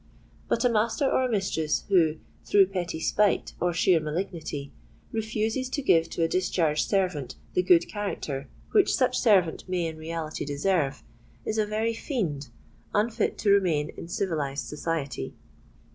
But a master or a mistress who, through petty spite or sheer malignity, refuses to give to a discharged servant the good character which such servant may in reality deserve, is a very fiend, unfit to remain in civilised society.